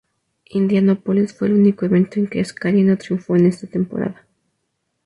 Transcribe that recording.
Indianápolis fue el único evento en que Ascari no triunfó en esa temporada.